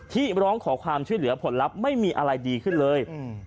ร้องขอความช่วยเหลือผลลัพธ์ไม่มีอะไรดีขึ้นเลย